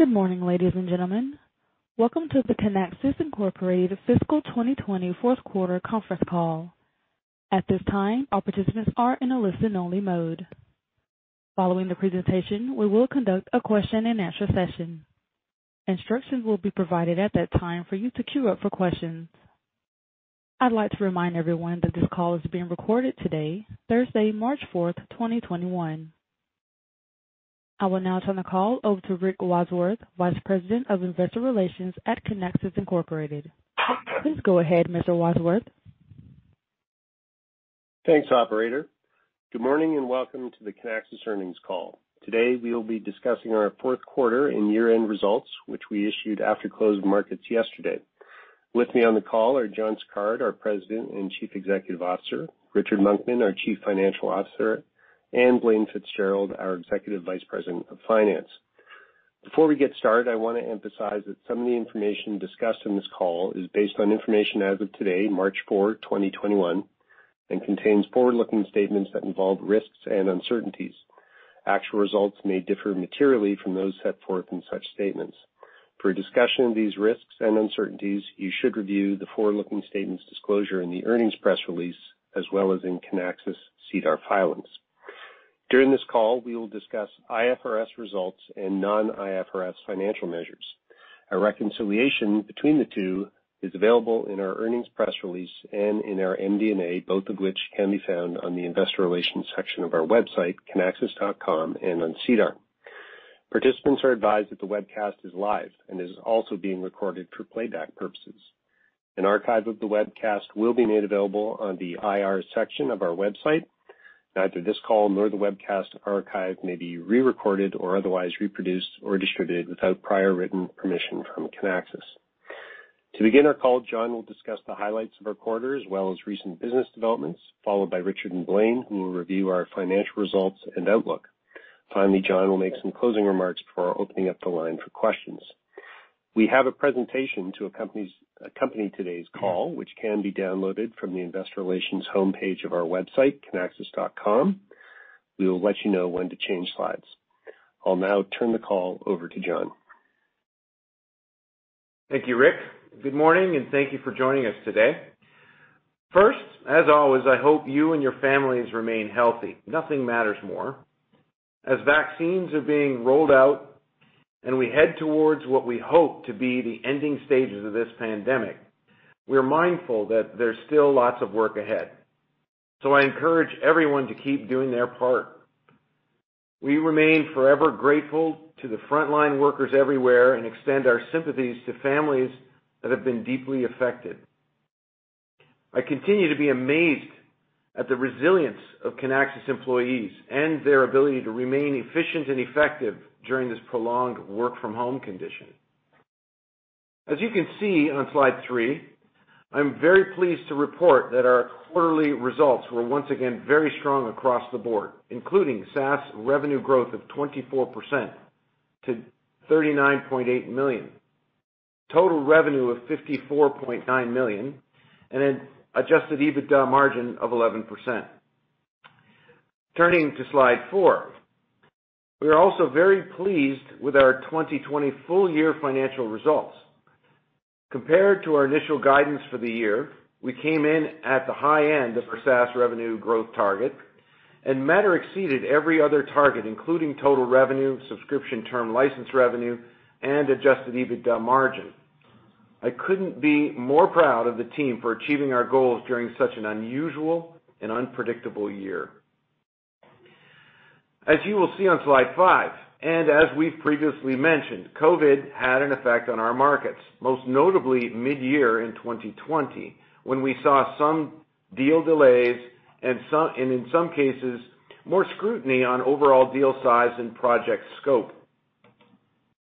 Good morning, ladies and gentlemen. Welcome to the Kinaxis Inc. Fiscal 2020 Fourth Quarter Conference Call. At this time, all participants are in a listen-only mode. Following the presentation, we will conduct a question-and-answer session. Instructions will be provided at that time for you to queue up for questions. I'd like to remind everyone that this call is being recorded today, Thursday, March 4, 2021. I will now turn the call over to Rick Wadsworth, Vice President of Investor Relations at Kinaxis Inc.. Please go ahead, Mr. Wadsworth. Thanks, operator. Good morning, welcome to the Kinaxis earnings call. Today, we will be discussing our fourth quarter and year-end results, which we issued after closed markets yesterday. With me on the call are John Sicard, our President and Chief Executive Officer, Richard Monkman, our Chief Financial Officer, and Blaine Fitzgerald, our Executive Vice President of Finance. Before we get started, I want to emphasize that some of the information discussed on this call is based on information as of today, March 4, 2021, and contains forward-looking statements that involve risks and uncertainties. Actual results may differ materially from those set forth in such statements. For a discussion of these risks and uncertainties, you should review the forward-looking statements disclosure in the earnings press release, as well as in Kinaxis' SEDAR filings. During this call, we will discuss IFRS results and non-IFRS financial measures. A reconciliation between the two is available in our earnings press release and in our MD&A, both of which can be found on the investor relations section of our website, kinaxis.com, and on SEDAR. Participants are advised that the webcast is live and is also being recorded for playback purposes. An archive of the webcast will be made available on the IR section of our website. Neither this call nor the webcast archive may be re-recorded or otherwise reproduced or distributed without prior written permission from Kinaxis. To begin our call, John will discuss the highlights of our quarter, as well as recent business developments, followed by Richard and Blaine, who will review our financial results and outlook. Finally, John will make some closing remarks before opening up the line for questions. We have a presentation to accompany today's call, which can be downloaded from the investor relations homepage of our website, kinaxis.com. We will let you know when to change slides. I'll now turn the call over to John. Thank you, Rick. Good morning, and thank you for joining us today. First, as always, I hope you and your families remain healthy. Nothing matters more. As vaccines are being rolled out and we head towards what we hope to be the ending stages of this pandemic, we're mindful that there's still lots of work ahead. I encourage everyone to keep doing their part. We remain forever grateful to the frontline workers everywhere and extend our sympathies to families that have been deeply affected. I continue to be amazed at the resilience of Kinaxis employees and their ability to remain efficient and effective during this prolonged work-from-home condition. As you can see on slide three, I'm very pleased to report that our quarterly results were once again very strong across the board, including SaaS revenue growth of 24% to $39.8 million, total revenue of $54.9 million, and an adjusted EBITDA margin of 11%. Turning to slide four. We are also very pleased with our 2020 full-year financial results. Compared to our initial guidance for the year, we came in at the high end of our SaaS revenue growth target and matter exceeded every other target, including total revenue, subscription term license revenue, and adjusted EBITDA margin. I couldn't be more proud of the team for achieving our goals during such an unusual and unpredictable year. As you will see on slide five, and as we've previously mentioned, COVID had an effect on our markets, most notably mid-year in 2020, when we saw some deal delays and in some cases, more scrutiny on overall deal size and project scope.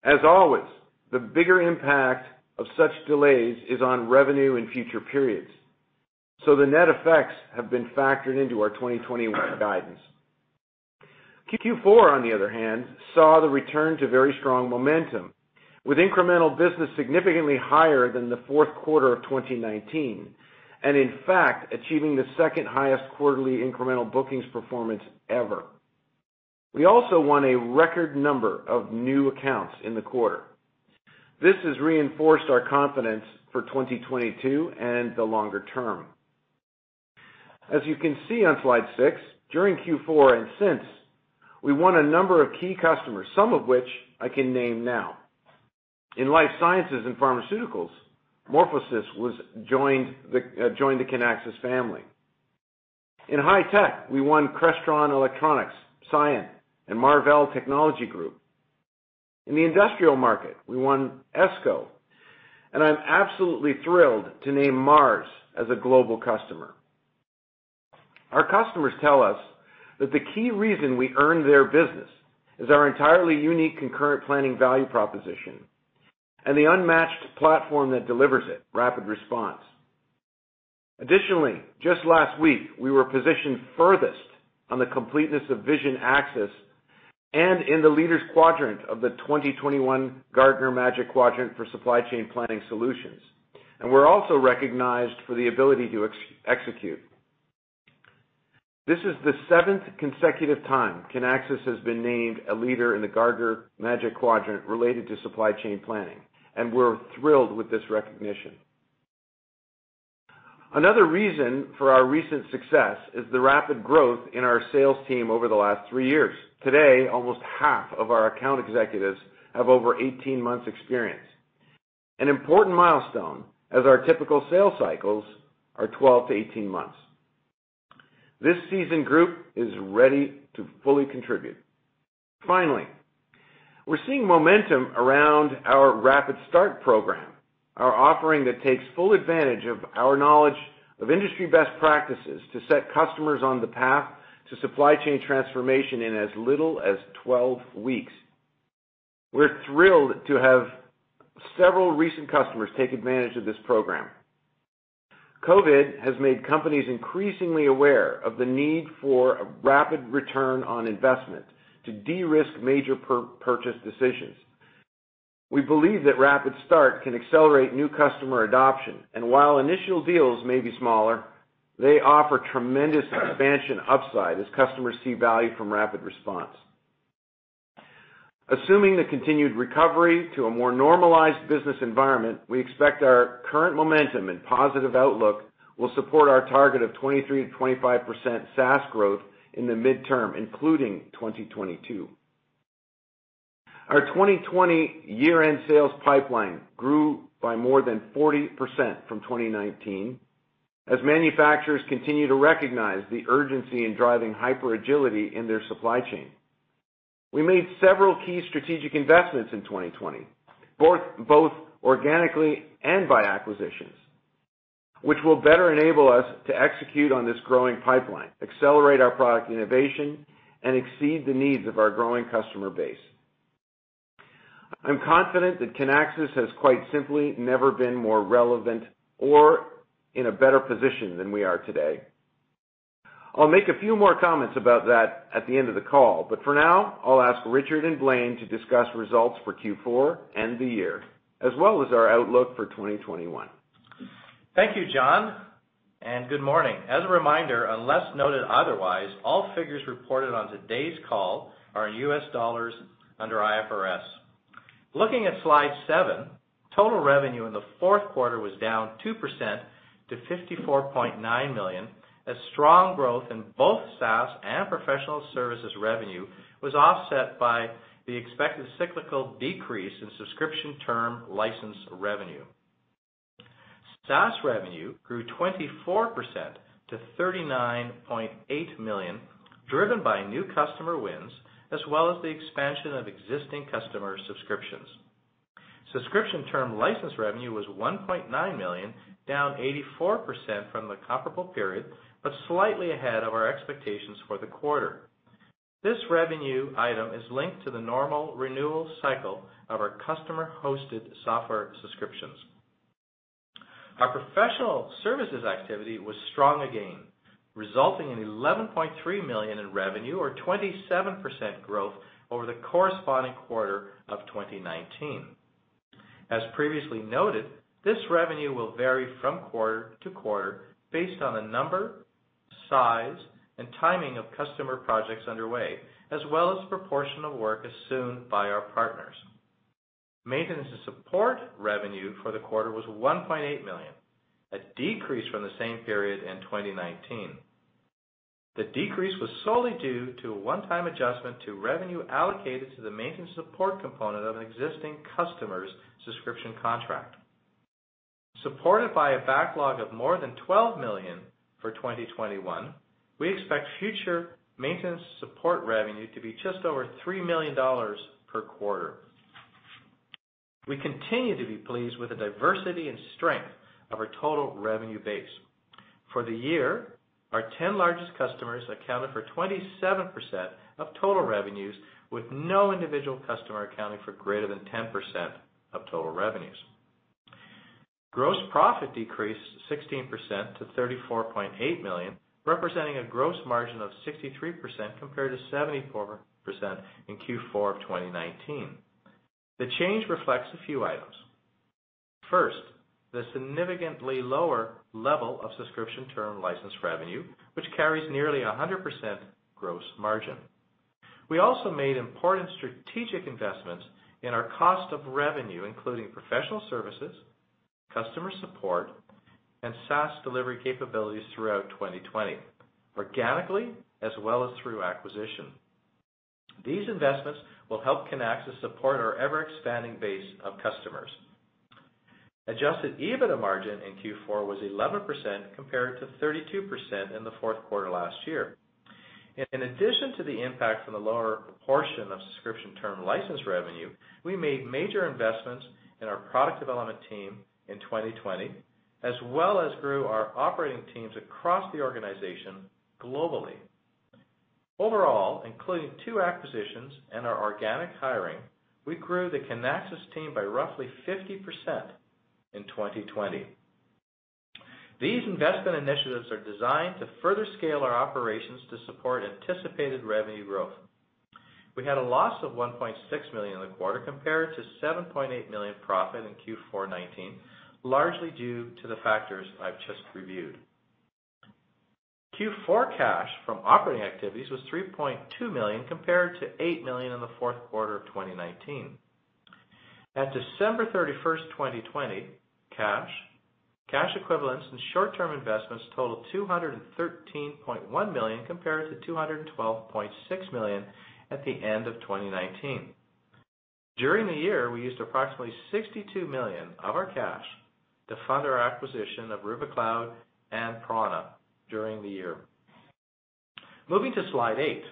As always, the bigger impact of such delays is on revenue in future periods. The net effects have been factored into our 2021 guidance. Q4, on the other hand, saw the return to very strong momentum, with incremental business significantly higher than the fourth quarter of 2019, and in fact, achieving the second highest quarterly incremental bookings performance ever. We also won a record number of new accounts in the quarter. This has reinforced our confidence for 2022 and the longer term. As you can see on slide six, during Q4 and since, we won a number of key customers, some of which I can name now. In life sciences and pharmaceuticals, MorphoSys joined the Kinaxis family. In high tech, we won Crestron Electronics, Cyan, and Marvell Technology Group. In the industrial market, we won Esko, and I'm absolutely thrilled to name Mars as a global customer. Our customers tell us that the key reason we earn their business is our entirely unique concurrent planning value proposition and the unmatched platform that delivers it, RapidResponse. Additionally, just last week, we were positioned furthest on the completeness of vision axis and in the leaders quadrant of the 2021 Gartner Magic Quadrant for supply chain planning solutions. We're also recognized for the ability to execute. This is the seventh consecutive time Kinaxis has been named a leader in the Gartner Magic Quadrant related to supply chain planning, and we're thrilled with this recognition. Another reason for our recent success is the rapid growth in our sales team over the last three years. Today, almost half of our account executives have over 18 months experience. An important milestone as our typical sales cycles are 12-18 months. This seasoned group is ready to fully contribute. Finally, we're seeing momentum around our RapidStart program, our offering that takes full advantage of our knowledge of industry best practices to set customers on the path to supply chain transformation in as little as 12 weeks. We're thrilled to have several recent customers take advantage of this program. COVID has made companies increasingly aware of the need for a rapid return on investment to de-risk major purchase decisions. We believe that RapidStart can accelerate new customer adoption, and while initial deals may be smaller, they offer tremendous expansion upside as customers see value from RapidResponse. Assuming the continued recovery to a more normalized business environment, we expect our current momentum and positive outlook will support our target of 23%-25% SaaS growth in the midterm, including 2022. Our 2020 year-end sales pipeline grew by more than 40% from 2019, as manufacturers continue to recognize the urgency in driving hyper agility in their supply chain. We made several key strategic investments in 2020, both organically and by acquisitions, which will better enable us to execute on this growing pipeline, accelerate our product innovation, and exceed the needs of our growing customer base. I'm confident that Kinaxis has quite simply never been more relevant or in a better position than we are today. For now, I'll ask Richard and Blaine to discuss results for Q4 and the year, as well as our outlook for 2021. Thank you, John, and good morning. As a reminder, unless noted otherwise, all figures reported on today's call are in US dollars under IFRS. Looking at slide seven, total revenue in the fourth quarter was down 2% to $54.9 million, as strong growth in both SaaS and professional services revenue was offset by the expected cyclical decrease in subscription term license revenue. SaaS revenue grew 24% to $39.8 million, driven by new customer wins, as well as the expansion of existing customer subscriptions. Subscription term license revenue was $1.9 million, down 84% from the comparable period, but slightly ahead of our expectations for the quarter. This revenue item is linked to the normal renewal cycle of our customer-hosted software subscriptions. Our professional services activity was strong again, resulting in $11.3 million in revenue or 27% growth over the corresponding quarter of 2019. As previously noted, this revenue will vary from quarter to quarter based on the number, size, and timing of customer projects underway, as well as proportion of work assumed by our partners. Maintenance and support revenue for the quarter was $1.8 million, a decrease from the same period in 2019. The decrease was solely due to a one-time adjustment to revenue allocated to the maintenance support component of an existing customer's subscription contract. Supported by a backlog of more than $12 million for 2021, we expect future maintenance support revenue to be just over $3 million per quarter. We continue to be pleased with the diversity and strength of our total revenue base. For the year, our 10 largest customers accounted for 27% of total revenues, with no individual customer accounting for greater than 10% of total revenues. Gross profit decreased 16% to $34.8 million, representing a gross margin of 63% compared to 74% in Q4 of 2019. The change reflects a few items. First, the significantly lower level of subscription term license revenue, which carries nearly 100% gross margin. We also made important strategic investments in our cost of revenue, including professional services, customer support, and SaaS delivery capabilities throughout 2020, organically as well as through acquisition. These investments will help Kinaxis support our ever-expanding base of customers. Adjusted EBITDA margin in Q4 was 11% compared to 32% in the fourth quarter last year. In addition to the impact from the lower proportion of subscription term license revenue, we made major investments in our product development team in 2020, as well as grew our operating teams across the organization globally. Overall, including two acquisitions and our organic hiring, we grew the Kinaxis team by roughly 50% in 2020. These investment initiatives are designed to further scale our operations to support anticipated revenue growth. We had a loss of $1.6 million in the quarter compared to $7.8 million profit in Q4 2019, largely due to the factors I've just reviewed. Q4 cash from operating activities was $3.2 million compared to $8 million in the fourth quarter of 2019. At December 31st, 2020, cash equivalents and short-term investments totaled $213.1 million compared to $212.6 million at the end of 2019. During the year, we used approximately $62 million of our cash to fund our acquisition of Rubikloud and Prana during the year. Moving to slide eight,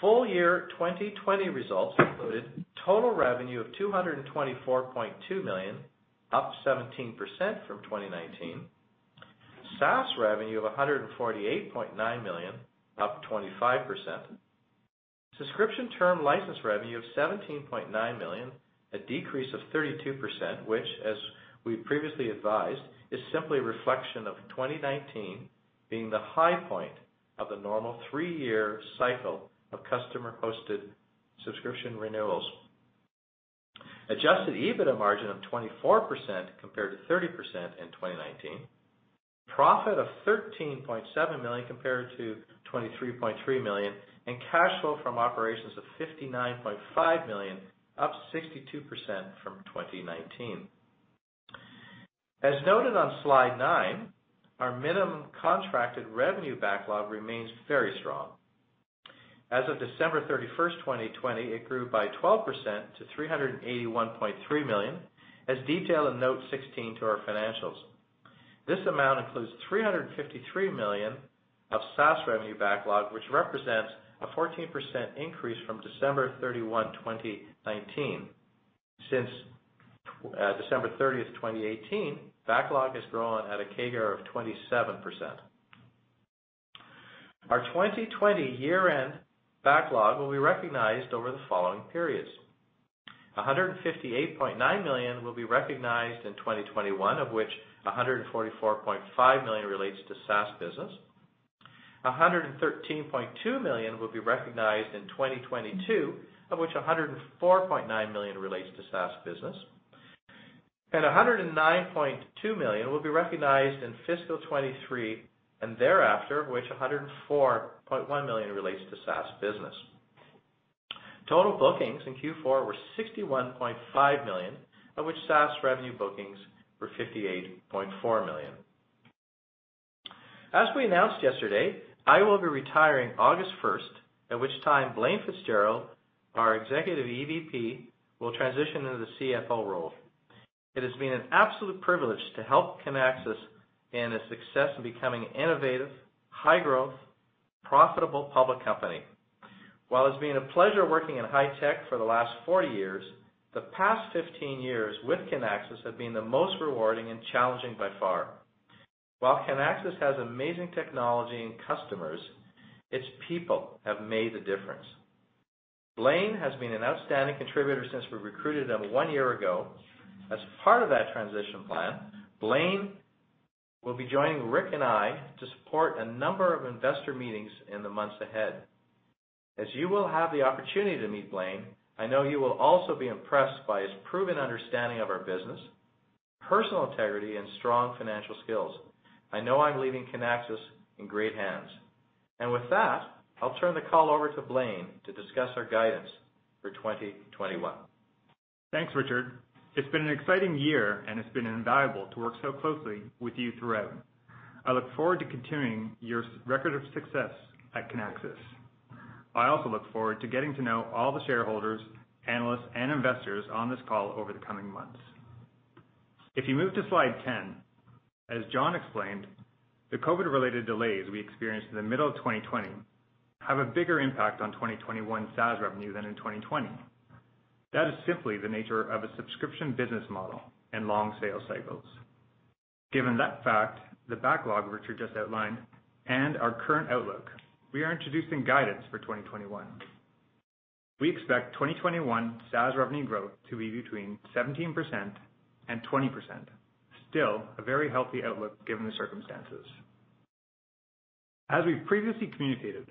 full year 2020 results included total revenue of $224.2 million, up 17% from 2019. SaaS revenue of $148.9 million, up 25%. Subscription term license revenue of $17.9 million, a decrease of 32%, which as we previously advised, is simply a reflection of 2019 being the high point of the normal three-year cycle of customer-hosted subscription renewals. Adjusted EBITDA margin of 24% compared to 30% in 2019. Profit of $13.7 million compared to $23.3 million, and cash flow from operations of $59.5 million, up 62% from 2019. As noted on slide nine, our minimum contracted revenue backlog remains very strong. As of December 31st, 2020, it grew by 12% to $381.3 million, as detailed in Note 16 to our financials. This amount includes $353 million of SaaS revenue backlog, which represents a 14% increase from December 31, 2019. Since December 30th, 2018, backlog has grown at a CAGR of 27%. Our 2020 year-end backlog will be recognized over the following periods. $158.9 million will be recognized in 2021, of which $144.5 million relates to SaaS business. $113.2 million will be recognized in 2022, of which $104.9 million relates to SaaS business. $109.2 million will be recognized in fiscal 2023 and thereafter, of which $104.1 million relates to SaaS business. Total bookings in Q4 were $61.5 million, of which SaaS revenue bookings were $58.4 million. As we announced yesterday, I will be retiring August 1st, at which time Blaine Fitzgerald, our Executive EVP, will transition into the CFO role. It has been an absolute privilege to help Kinaxis in its success in becoming innovative, high growth, profitable public company. While it's been a pleasure working in high tech for the last 40 years, the past 15 years with Kinaxis have been the most rewarding and challenging by far. While Kinaxis has amazing technology and customers, its people have made the difference. Blaine has been an outstanding contributor since we recruited him one year ago. As part of that transition plan, Blaine will be joining Rick and I to support a number of investor meetings in the months ahead. As you will have the opportunity to meet Blaine, I know you will also be impressed by his proven understanding of our business, personal integrity, and strong financial skills. I know I'm leaving Kinaxis in great hands. With that, I'll turn the call over to Blaine to discuss our guidance for 2021. Thanks, Richard. It's been an exciting year and it's been invaluable to work so closely with you throughout. I look forward to continuing your record of success at Kinaxis. I also look forward to getting to know all the shareholders, analysts, and investors on this call over the coming months. If you move to slide 10, as John explained, the COVID-related delays we experienced in the middle of 2020 have a bigger impact on 2021 SaaS revenue than in 2020. That is simply the nature of a subscription business model and long sales cycles. Given that fact, the backlog Richard just outlined, and our current outlook, we are introducing guidance for 2021. We expect 2021 SaaS revenue growth to be between 17% and 20%, still a very healthy outlook given the circumstances. As we've previously communicated,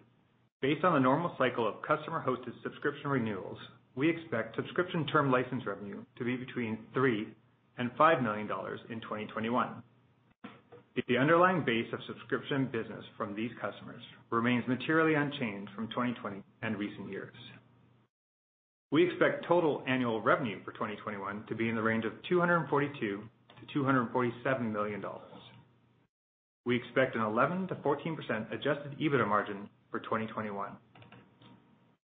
based on the normal cycle of customer-hosted subscription renewals, we expect subscription term license revenue to be between $3 million and $5 million in 2021. If the underlying base of subscription business from these customers remains materially unchanged from 2020 and recent years. We expect total annual revenue for 2021 to be in the range of $242 million-$247 million. We expect an 11%-14% adjusted EBITDA margin for 2021.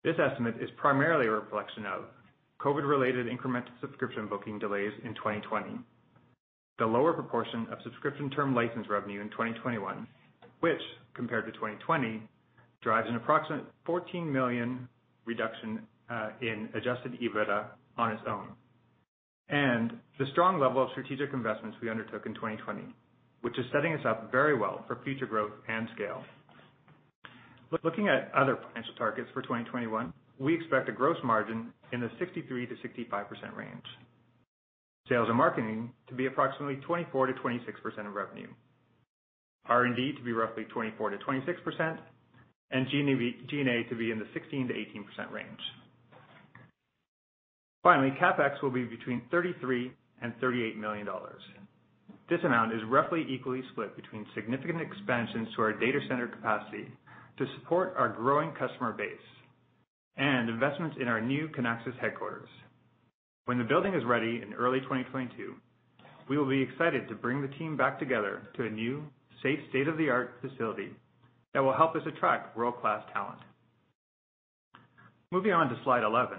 This estimate is primarily a reflection of COVID-related incremental subscription booking delays in 2020. The lower proportion of subscription term license revenue in 2021, which, compared to 2020, drives an approximate $14 million reduction in adjusted EBITDA on its own. The strong level of strategic investments we undertook in 2020, which is setting us up very well for future growth and scale. Looking at other financial targets for 2021, we expect a gross margin in the 63%-65% range. Sales and marketing to be approximately 24%-26% of revenue. R&D to be roughly 24%-26%, and G&A to be in the 16%-18% range. Finally, CapEx will be between $33 million and $38 million. This amount is roughly equally split between significant expansions to our data center capacity to support our growing customer base and investments in our new Kinaxis headquarters. When the building is ready in early 2022, we will be excited to bring the team back together to a new, safe, state-of-the-art facility that will help us attract world-class talent. Moving on to slide 11,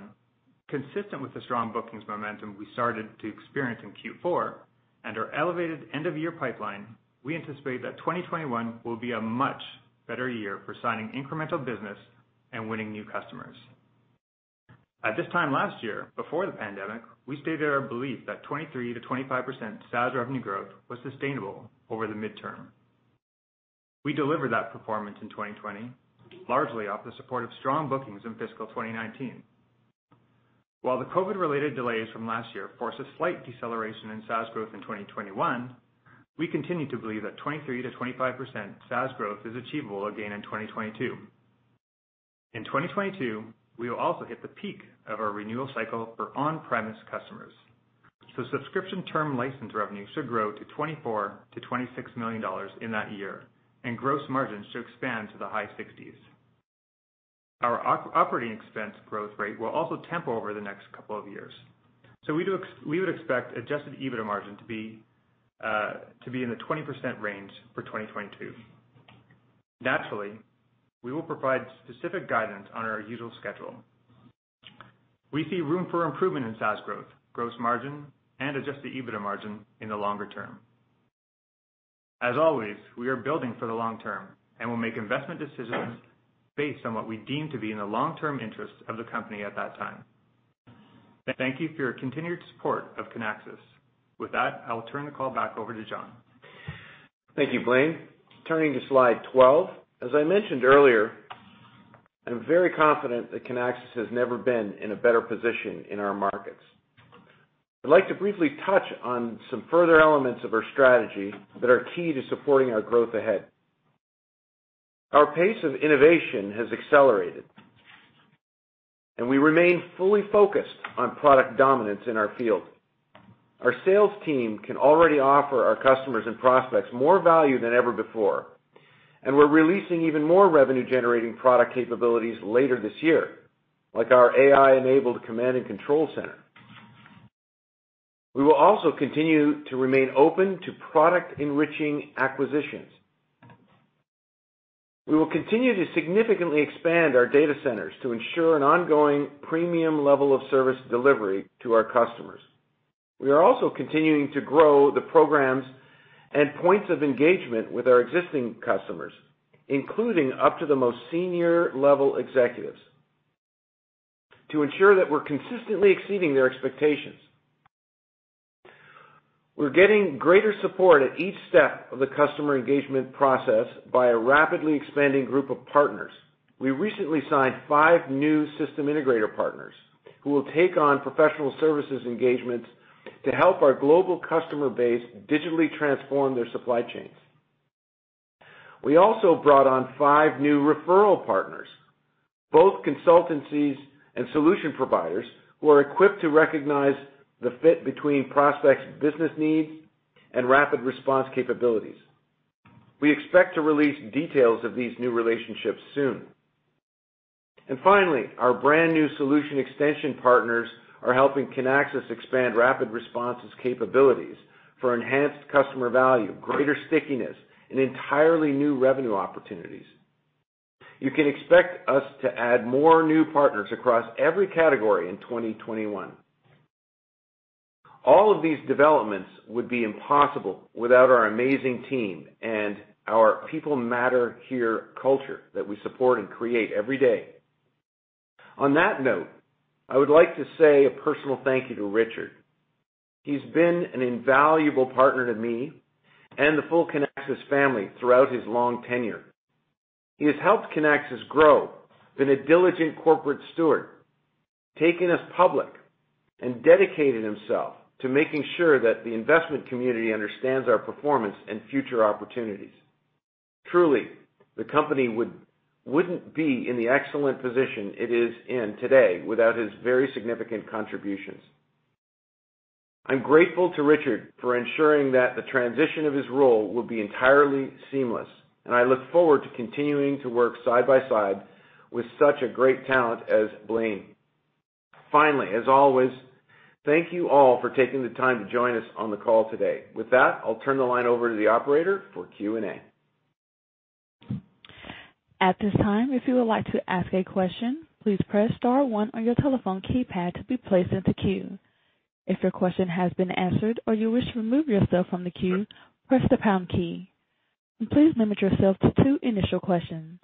consistent with the strong bookings momentum we started to experience in Q4 and our elevated end-of-year pipeline, we anticipate that 2021 will be a much better year for signing incremental business and winning new customers. At this time last year, before the pandemic, we stated our belief that 23%-25% SaaS revenue growth was sustainable over the midterm. We delivered that performance in 2020, largely off the support of strong bookings in fiscal 2019. While the COVID-related delays from last year force a slight deceleration in SaaS growth in 2021, we continue to believe that 23%-25% SaaS growth is achievable again in 2022. In 2022, we will also hit the peak of our renewal cycle for on-premise customers, so subscription term license revenue should grow to $24 million-$26 million in that year, and gross margins should expand to the high 60s. Our operating expense growth rate will also temper over the next couple of years. We would expect adjusted EBITDA margin to be in the 20% range for 2022. Naturally, we will provide specific guidance on our usual schedule. We see room for improvement in SaaS growth, gross margin, and adjusted EBITDA margin in the longer term. As always, we are building for the long term and will make investment decisions based on what we deem to be in the long-term interest of the company at that time. Thank you for your continued support of Kinaxis. With that, I'll turn the call back over to John. Thank you, Blaine. Turning to slide 12, as I mentioned earlier, I'm very confident that Kinaxis has never been in a better position in our markets. I'd like to briefly touch on some further elements of our strategy that are key to supporting our growth ahead. Our pace of innovation has accelerated, and we remain fully focused on product dominance in our field. Our sales team can already offer our customers and prospects more value than ever before, and we're releasing even more revenue-generating product capabilities later this year, like our AI-enabled command and control center. We will also continue to remain open to product-enriching acquisitions. We will continue to significantly expand our data centers to ensure an ongoing premium level of service delivery to our customers. We are also continuing to grow the programs and points of engagement with our existing customers, including up to the most senior-level executives, to ensure that we're consistently exceeding their expectations. We're getting greater support at each step of the customer engagement process by a rapidly expanding group of partners. We recently signed five new system integrator partners who will take on professional services engagements to help our global customer base digitally transform their supply chains. We also brought on five new referral partners, both consultancies and solution providers, who are equipped to recognize the fit between prospects' business needs and RapidResponse capabilities. We expect to release details of these new relationships soon. Finally, our brand new solution extension partners are helping Kinaxis expand RapidResponse's capabilities for enhanced customer value, greater stickiness, and entirely new revenue opportunities. You can expect us to add more new partners across every category in 2021. All of these developments would be impossible without our amazing team and our people matter here culture that we support and create every day. On that note, I would like to say a personal thank you to Richard. He's been an invaluable partner to me and the full Kinaxis family throughout his long tenure. He has helped Kinaxis grow, been a diligent corporate steward, taken us public, and dedicated himself to making sure that the investment community understands our performance and future opportunities. Truly, the company wouldn't be in the excellent position it is in today without his very significant contributions. I'm grateful to Richard for ensuring that the transition of his role will be entirely seamless, and I look forward to continuing to work side by side with such a great talent as Blaine. Finally, as always, thank you all for taking the time to join us on the call today. With that, I'll turn the line over to the operator for Q&A. At this time, if you would like to ask a question, please press star one on your telephone keypad to be placed into queue. If your question has been answered or you wish to remove yourself from the queue, press the pound key. Please limit yourself to two initial questions.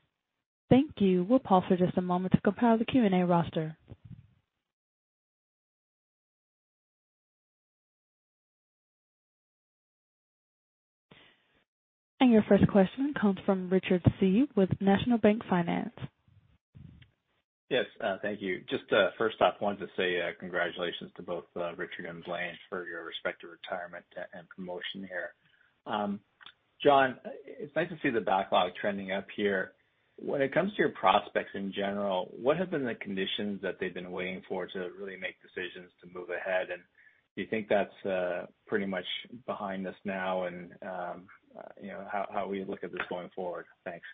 Thank you. We'll pause for just a moment to compile the Q&A roster. Your first question comes from Richard Tse with National Bank Financial. Yes. Thank you. Just first off, wanted to say congratulations to both Richard and Blaine for your respective retirement and promotion here. John, it's nice to see the backlog trending up here. When it comes to your prospects in general, what have been the conditions that they've been waiting for to really make decisions to move ahead? Do you think that's pretty much behind us now, and how we look at this going forward? Thanks.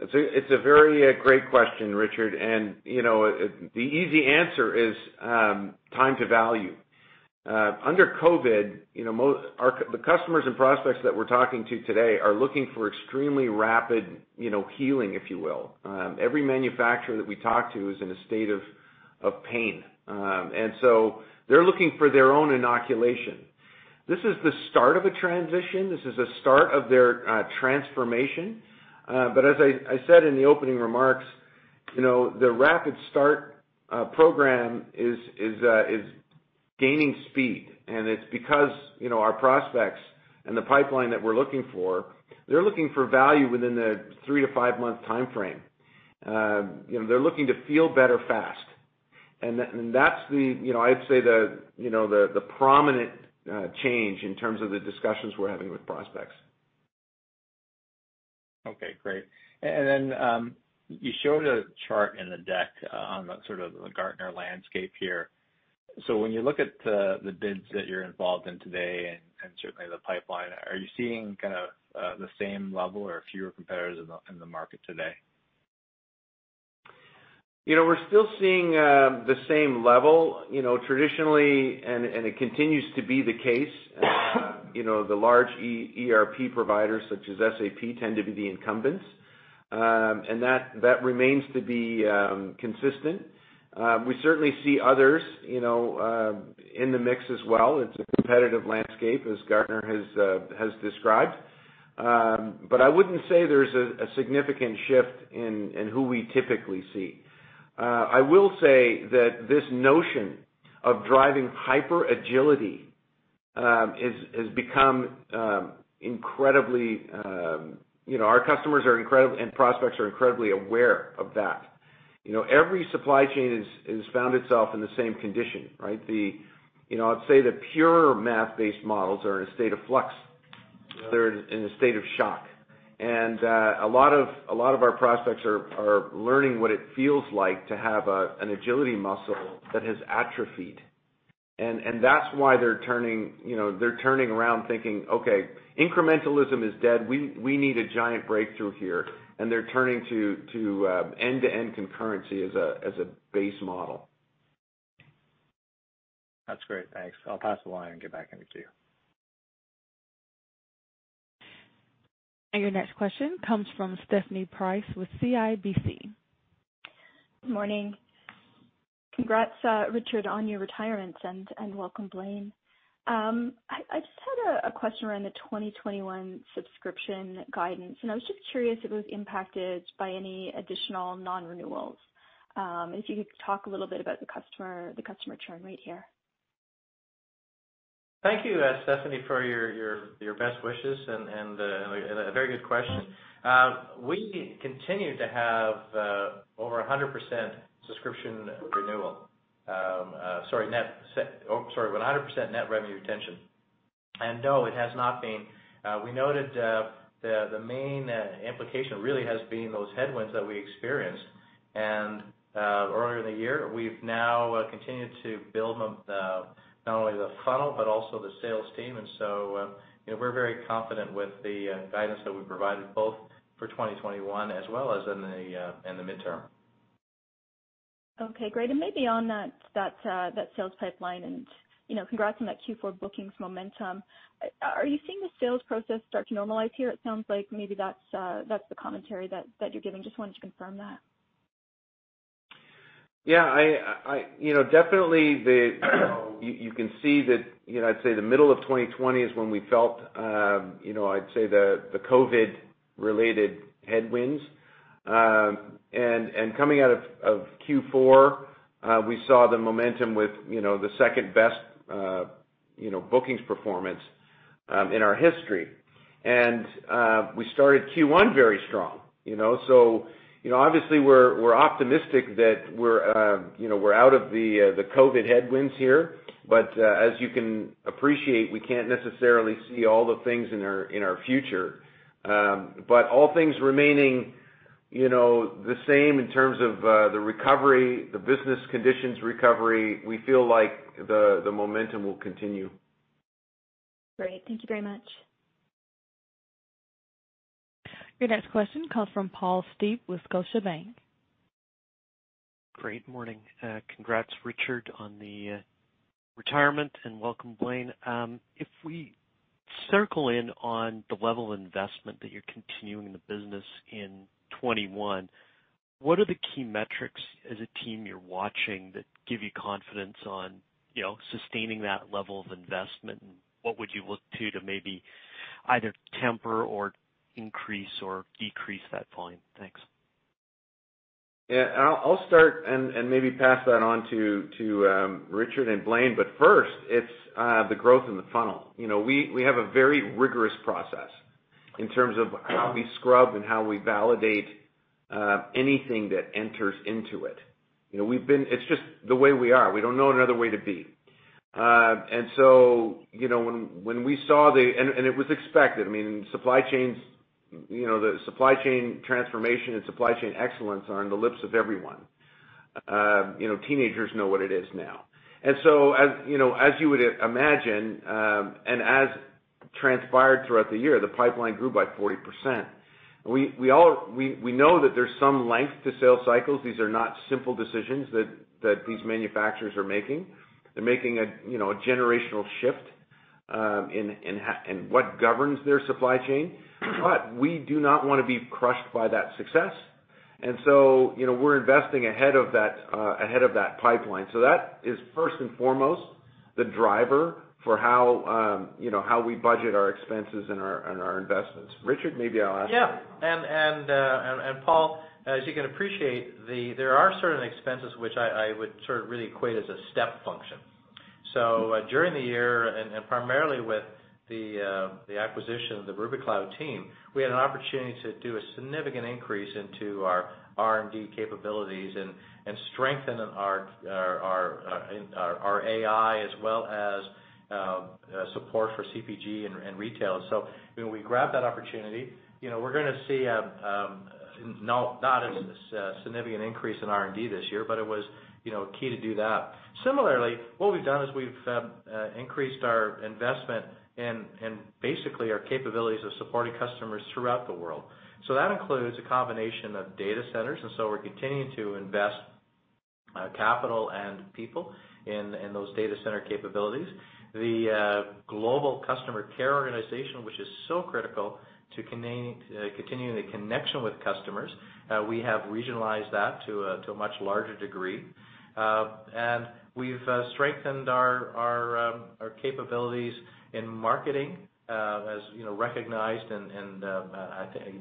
It's a very great question, Richard. The easy answer is time to value. Under COVID, the customers and prospects that we're talking to today are looking for extremely rapid healing, if you will. Every manufacturer that we talk to is in a state of pain. They're looking for their own inoculation. This is the start of a transition. This is a start of their transformation. As I said in the opening remarks, the RapidStart program is gaining speed, and it's because our prospects and the pipeline that we're looking for, they're looking for value within the three to five-month timeframe. They're looking to feel better fast. That's I'd say the prominent change in terms of the discussions we're having with prospects. Okay, great. You showed a chart in the deck on the sort of the Gartner landscape here. When you look at the bids that you're involved in today and certainly the pipeline, are you seeing kind of the same level or fewer competitors in the market today? We're still seeing the same level. Traditionally, it continues to be the case, the large ERP providers such as SAP tend to be the incumbents. That remains to be consistent. We certainly see others in the mix as well. It's a competitive landscape, as Gartner has described. I wouldn't say there's a significant shift in who we typically see. Our customers and prospects are incredibly aware of that. Every supply chain has found itself in the same condition, right? I'd say the pure math-based models are in a state of flux. They're in a state of shock. A lot of our prospects are learning what it feels like to have an agility muscle that has atrophied. That's why they're turning around thinking, "Okay, incrementalism is dead. We need a giant breakthrough here. They're turning to end-to-end concurrency as a base model. That's great. Thanks. I'll pass the line and get back into queue. Your next question comes from Stephanie Price with CIBC. Good morning. Congrats, Richard, on your retirement, and welcome, Blaine. I just had a question around the 2021 subscription guidance, and I was just curious if it was impacted by any additional non-renewals. If you could talk a little bit about the customer churn rate here. Thank you, Stephanie, for your best wishes and a very good question. We continue to have over 100% subscription renewal. Sorry, 100% net revenue retention. No, it has not been. We noted the main implication really has been those headwinds that we experienced earlier in the year. We've now continued to build not only the funnel but also the sales team. We're very confident with the guidance that we provided both for 2021 as well as in the midterm. Okay, great. Maybe on that sales pipeline, and congrats on that Q4 bookings momentum. Are you seeing the sales process start to normalize here? It sounds like maybe that's the commentary that you're giving. Just wanted to confirm that. Definitely you can see that, I'd say the middle of 2020 is when we felt, I'd say, the COVID-related headwinds. Coming out of Q4, we saw the momentum with the second-best bookings performance in our history. We started Q1 very strong. Obviously, we're optimistic that we're out of the COVID headwinds here. As you can appreciate, we can't necessarily see all the things in our future. All things remaining the same in terms of the recovery, the business conditions recovery, we feel like the momentum will continue. Great. Thank you very much. Your next question comes from Paul Steep with Scotiabank. Great morning. Congrats, Richard, on the retirement, and welcome, Blaine. If we circle in on the level of investment that you're continuing in the business in 2021, what are the key metrics as a team you're watching that give you confidence on sustaining that level of investment? What would you look to maybe either temper or increase or decrease that point? Thanks. Yeah. I'll start and maybe pass that on to Richard and Blaine. First, it's the growth in the funnel. We have a very rigorous process in terms of how we scrub and how we validate anything that enters into it. It's just the way we are. We don't know another way to be. It was expected, the supply chain transformation and supply chain excellence are on the lips of everyone. Teenagers know what it is now. As you would imagine, and as transpired throughout the year, the pipeline grew by 40%. We know that there's some length to sales cycles. These are not simple decisions that these manufacturers are making. They're making a generational shift in what governs their supply chain. We do not want to be crushed by that success. We're investing ahead of that pipeline. That is first and foremost the driver for how we budget our expenses and our investments. Richard, maybe I'll ask you. Yeah. Paul, as you can appreciate, there are certain expenses which I would really equate as a step function. During the year, and primarily with the acquisition of the Rubikloud team, we had an opportunity to do a significant increase into our R&D capabilities and strengthen our AI as well as support for CPG and retail. We grabbed that opportunity. We're going to see not a significant increase in R&D this year, but it was key to do that. Similarly, what we've done is we've increased our investment and basically our capabilities of supporting customers throughout the world. That includes a combination of data centers, and so we're continuing to invest capital and people in those data center capabilities. The global customer care organization, which is so critical to continuing the connection with customers, we have regionalized that to a much larger degree. We've strengthened our capabilities in marketing, as recognized, and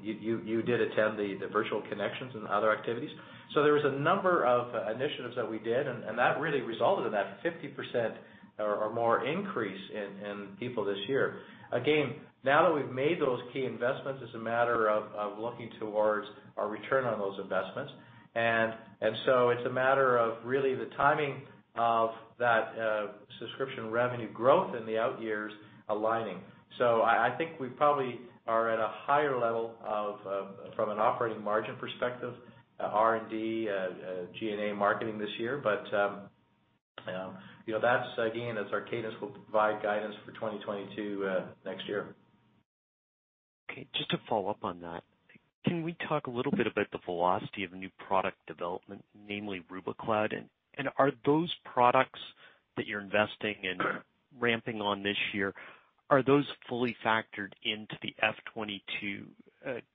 you did attend the virtual Kinexions and other activities. There was a number of initiatives that we did, and that really resulted in that 50% or more increase in people this year. Again, now that we've made those key investments, it's a matter of looking towards our return on those investments. It's a matter of really the timing of that subscription revenue growth in the out years aligning. I think we probably are at a higher level from an operating margin perspective, R&D, G&A marketing this year. That's, again, as Kinaxis will provide guidance for 2022 next year. Okay. Just to follow up on that, can we talk a little bit about the velocity of new product development, namely Rubikloud? Are those products that you're investing in ramping on this year, are those fully factored into the FY 2022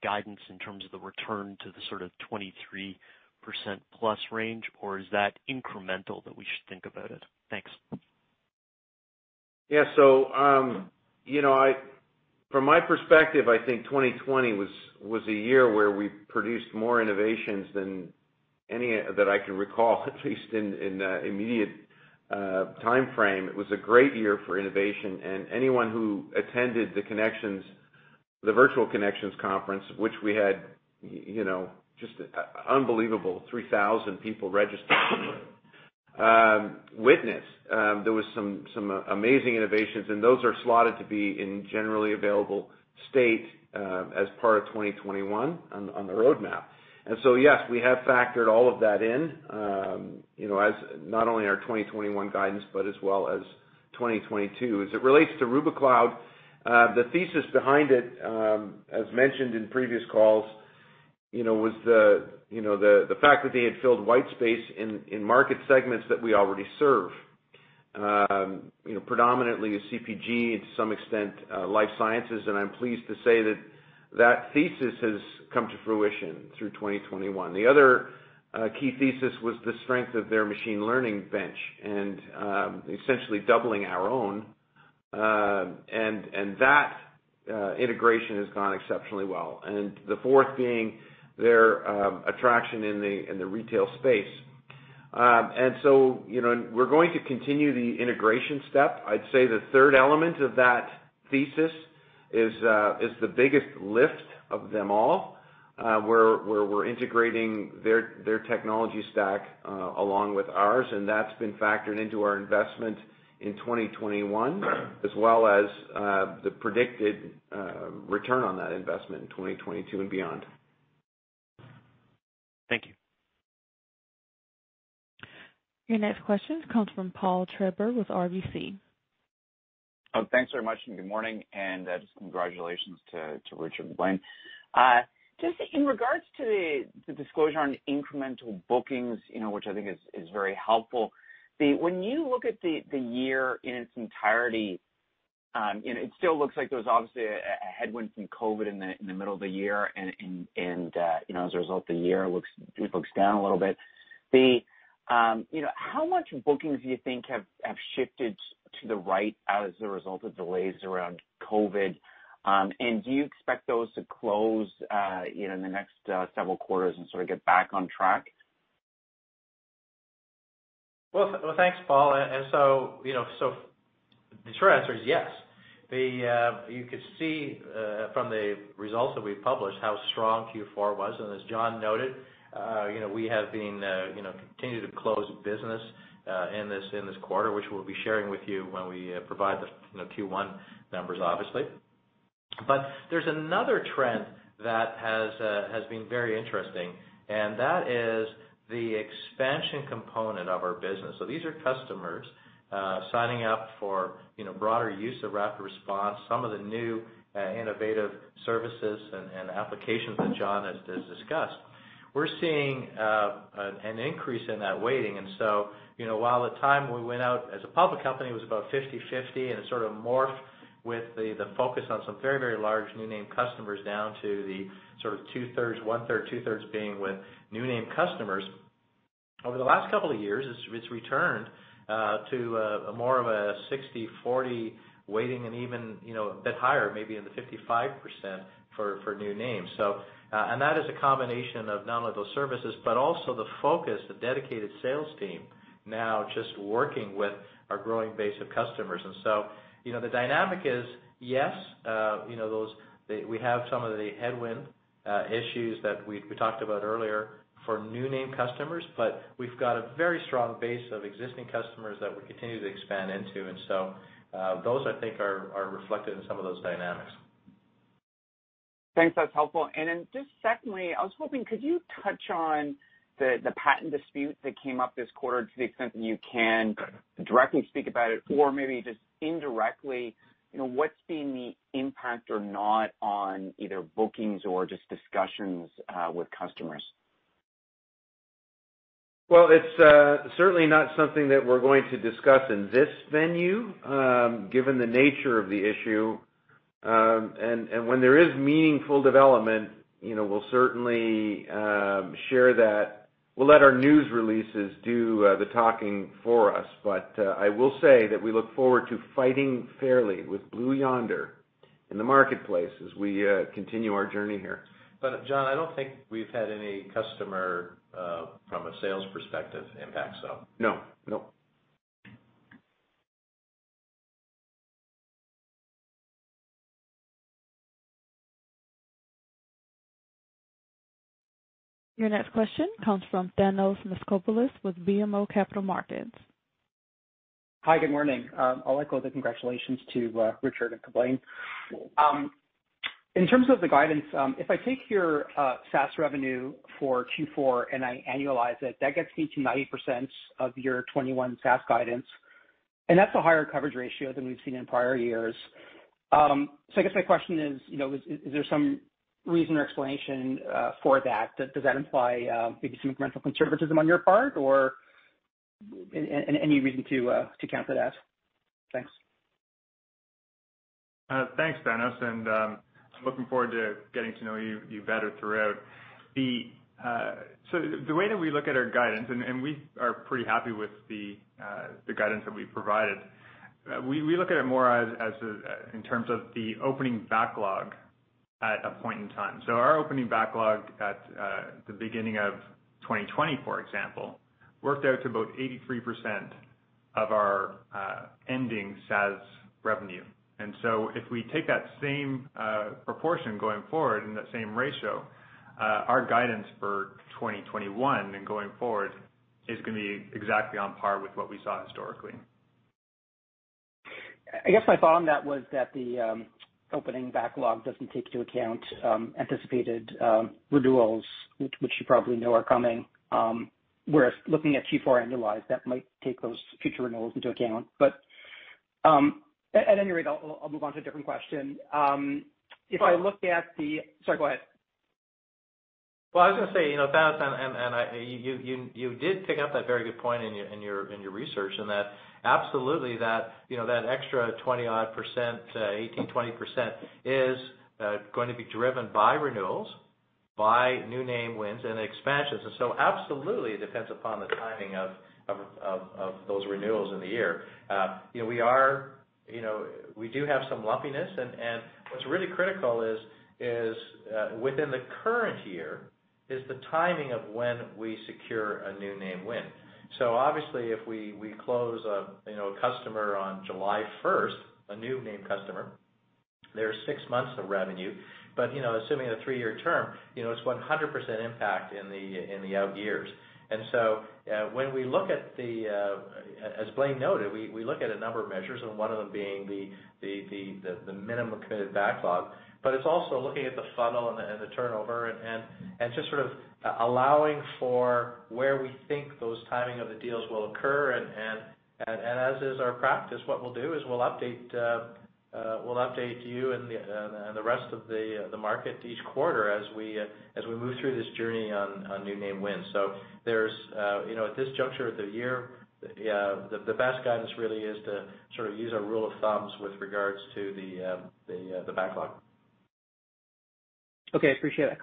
guidance in terms of the return to the sort of 23%+ range, or is that incremental that we should think about it? Thanks. Yeah. From my perspective, I think 2020 was a year where we produced more innovations than any that I can recall, at least in the immediate timeframe. It was a great year for innovation, and anyone who attended the virtual Kinexions conference, which we had just unbelievable 3,000 people registered, witnessed. There was some amazing innovations, and those are slotted to be in generally available state as part of 2021 on the roadmap. Yes, we have factored all of that in, as not only our 2021 guidance, but as well as 2022. As it relates to Rubikloud, the thesis behind it, as mentioned in previous calls, was the fact that they had filled white space in market segments that we already serve. Predominantly CPG, to some extent Life Sciences, and I'm pleased to say that that thesis has come to fruition through 2021. The other key thesis was the strength of their machine learning bench, and essentially doubling our own. That integration has gone exceptionally well. The fourth being their attraction in the retail space. We're going to continue the integration step. I'd say the third element of that thesis is the biggest lift of them all, where we're integrating their technology stack along with ours, and that's been factored into our investment in 2021, as well as the predicted return on that investment in 2022 and beyond. Thank you. Your next question comes from Paul Treiber with RBC. Thanks very much, good morning, just congratulations to Richard and Blaine. Just in regards to the disclosure on incremental bookings, which I think is very helpful. When you look at the year in its entirety, it still looks like there was obviously a headwind from COVID in the middle of the year, as a result, the year looks down a little bit. How much bookings do you think have shifted to the right as a result of delays around COVID? Do you expect those to close in the next several quarters and sort of get back on track? Well, thanks, Paul. The short answer is yes. You could see from the results that we've published how strong Q4 was, and as John noted, we have been continuing to close business in this quarter, which we'll be sharing with you when we provide the Q1 numbers, obviously. There's another trend that has been very interesting, and that is the expansion component of our business. These are customers signing up for broader use of RapidResponse, some of the new innovative services and applications that John has discussed. We're seeing an increase in that weighting. While the time we went out as a public company was about 50/50, and it sort of morphed with the focus on some very, very large new name customers down to the sort of 2/3, 1/3, 2/3 being with new name customers. Over the last couple of years, it's returned to more of a 60/40 weighting and even a bit higher, maybe in the 55% for new names. That is a combination of not only those services, but also the focus, the dedicated sales team now just working with our growing base of customers. The dynamic is, yes, we have some of the headwind issues that we talked about earlier for new name customers, but we've got a very strong base of existing customers that we continue to expand into. Those, I think, are reflected in some of those dynamics. Thanks. That's helpful. Then just secondly, I was hoping, could you touch on the patent dispute that came up this quarter to the extent that you can directly speak about it, or maybe just indirectly, what's been the impact or not on either bookings or just discussions with customers? Well, it's certainly not something that we're going to discuss in this venue, given the nature of the issue. When there is meaningful development, we'll certainly share that. We'll let our news releases do the talking for us. I will say that we look forward to fighting fairly with Blue Yonder in the marketplace as we continue our journey here. John, I don't think we've had any customer, from a sales perspective, impact. No. Your next question comes from Thanos Moschopoulos with BMO Capital Markets. Hi, good morning. I'll echo the congratulations to Richard and to Blaine. In terms of the guidance, if I take your SaaS revenue for Q4 and I annualize it, that gets me to 90% of your 2021 SaaS guidance, and that's a higher coverage ratio than we've seen in prior years. I guess my question is there some reason or explanation for that? Does that imply maybe some incremental conservatism on your part, or any reason to count that out? Thanks. Thanks, Thanos, and I'm looking forward to getting to know you better throughout. The way that we look at our guidance, and we are pretty happy with the guidance that we provided. We look at it more in terms of the opening backlog at a point in time. Our opening backlog at the beginning of 2020, for example, worked out to about 83% of our ending SaaS revenue. If we take that same proportion going forward and that same ratio, our guidance for 2021 and going forward is going to be exactly on par with what we saw historically. I guess my thought on that was that the opening backlog doesn't take into account anticipated renewals, which you probably know are coming. Whereas looking at Q4 annualized, that might take those future renewals into account. At any rate, I'll move on to a different question. If I look at. Sorry, go ahead. Well, I was going to say, Thanos, and you did pick up that very good point in your research in that, absolutely, that extra 20%odd, 18%, 20%, is going to be driven by renewals, by new name wins, and expansions. Absolutely, it depends upon the timing of those renewals in the year. We do have some lumpiness, and what's really critical is, within the current year, is the timing of when we secure a new name win. Obviously, if we close a customer on July 1st, a new name customer, there's six months of revenue. Assuming a three-year term, it's 100% impact in the out years. As Blaine noted, we look at a number of measures, and one of them being the minimum committed backlog, but it's also looking at the funnel and the turnover and just sort of allowing for where we think those timing of the deals will occur. As is our practice, what we'll do is we'll update you and the rest of the market each quarter as we move through this journey on new name wins. At this juncture of the year, the best guidance really is to sort of use our rule of thumb with regards to the backlog. Okay, appreciate that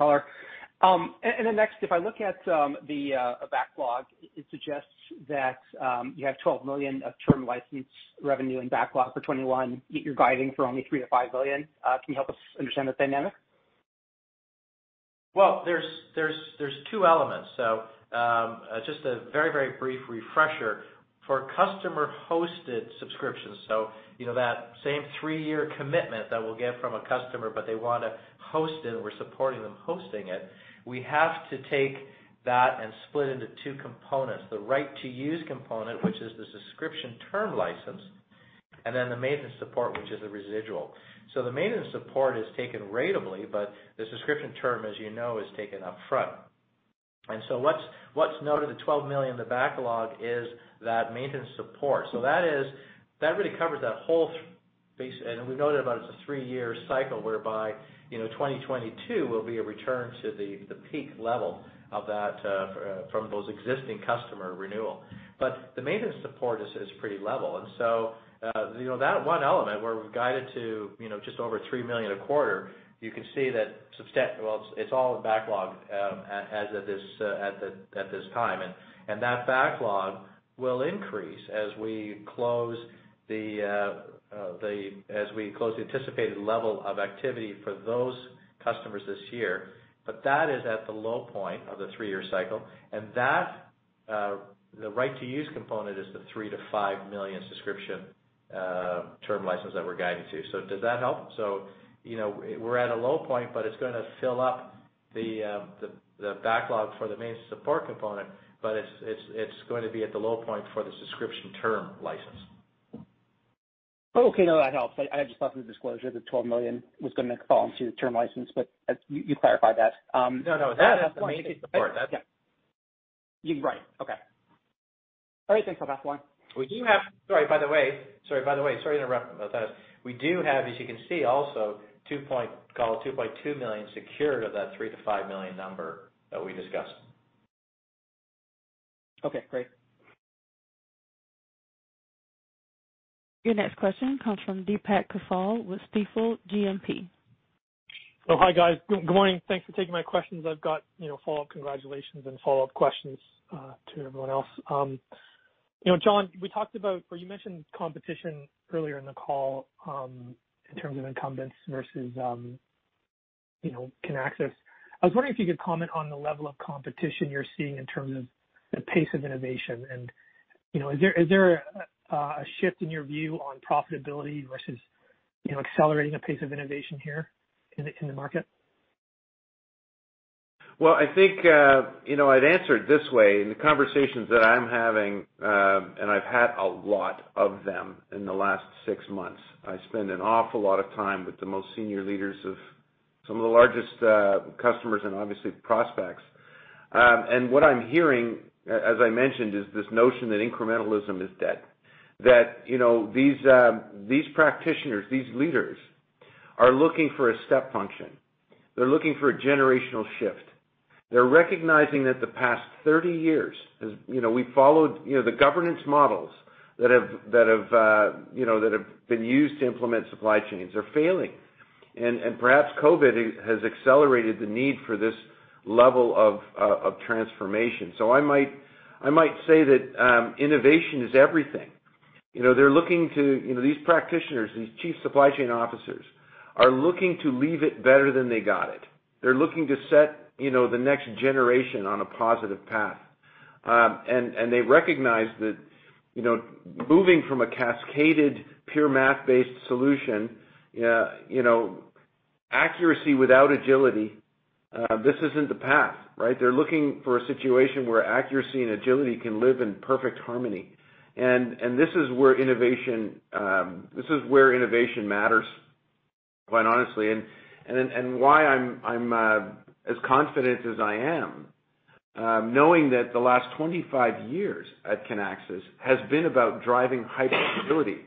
color. Next, if I look at the backlog, it suggests that you have $12 million of term license revenue in backlog for 2021, yet you're guiding for only $3 million-$5 million. Can you help us understand the dynamic? There's two elements. Just a very brief refresher. For customer-hosted subscriptions, that same three-year commitment that we'll get from a customer, but they want to host it and we're supporting them hosting it, we have to take that and split it into two components. The right-to-use component, which is the subscription term license, and then the maintenance support, which is the residual. The maintenance support is taken ratably, but the subscription term, as you know, is taken upfront. What's new to the $12 million, the backlog, is that maintenance support. That really covers that whole base, and we know that it's a three-year cycle, whereby 2022 will be a return to the peak level of that from those existing customer renewal. The maintenance support is pretty level. That one element where we've guided to just over $3 million a quarter, you can see that well, it's all in backlog as of this time. That backlog will increase as we close the anticipated level of activity for those customers this year. That is at the low point of the three-year cycle, and the right-to-use component is the $3 million-$5 million subscription term license that we're guiding to. Does that help? We're at a low point, but it's going to fill up the backlog for the maintenance support component, but it's going to be at the low point for the subscription term license. Okay. No, that helps. I just thought for the disclosure, the $12 million was going to fall into the term license. You clarified that. No, that is the maintenance support. Yeah. You're right. Okay. All right, thanks. I'll pass the line. Sorry, by the way, sorry to interrupt, Thanos. We do have, as you can see also, call it $2.2 million secured of that $3 million-$5 million number that we discussed. Okay, great. Your next question comes from Deepak Kaushal with Stifel GMP. Oh, hi, guys. Good morning. Thanks for taking my questions. I've got follow-up congratulations and follow-up questions to everyone else. John, we talked about, well, you mentioned competition earlier in the call, in terms of incumbents versus Kinaxis. I was wondering if you could comment on the level of competition you're seeing in terms of the pace of innovation, and is there a shift in your view on profitability versus accelerating the pace of innovation here in the market? Well, I think, I'd answer it this way. In the conversations that I'm having, I've had a lot of them in the last six months. I spend an awful lot of time with the most senior leaders of some of the largest customers, obviously prospects. What I'm hearing, as I mentioned, is this notion that incrementalism is dead. That these practitioners, these leaders, are looking for a step function. They're looking for a generational shift. They're recognizing that the past 30 years, as we followed the governance models that have been used to implement supply chains, are failing. Perhaps COVID has accelerated the need for this level of transformation. I might say that innovation is everything. These practitioners, these Chief Supply Chain Officers, are looking to leave it better than they got it. They're looking to set the next generation on a positive path. They recognize that moving from a cascaded, pure math-based solution, accuracy without agility, this isn't the path. They're looking for a situation where accuracy and agility can live in perfect harmony. This is where innovation matters, quite honestly, and why I'm as confident as I am, knowing that the last 25 years at Kinaxis has been about driving high visibility